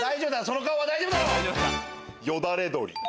その顔は大丈夫だろ！